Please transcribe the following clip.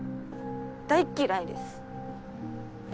大っ嫌いです。